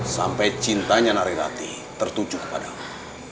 sampai cintanya narirati tertuju kepadamu